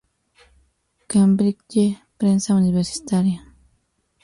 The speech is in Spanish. Cambridge Prensa universitaria.